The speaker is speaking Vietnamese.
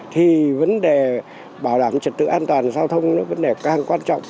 thì vấn đề bảo đảm trật tự an toàn giao thông nó vẫn đẹp càng quan trọng